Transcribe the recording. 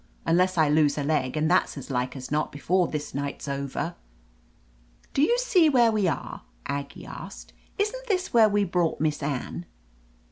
— unless I lose a leg, and that's as like as not before this night's over." "Do you see where we are?" Aggie asked. "Isn't this where we brought Miss Anne